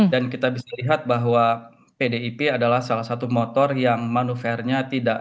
dan kita bisa lihat bahwa pdip adalah salah satu pilihan yang terbaik